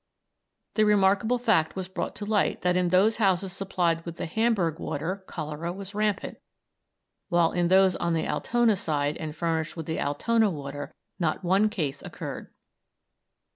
The remarkable fact was brought to light that in those houses supplied with the Hamburg water cholera was rampant, whilst in those on the Altona side and furnished with the Altona water not one case occurred.